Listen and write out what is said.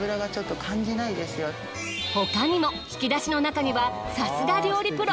他にも引き出しの中にはさすが料理プロ。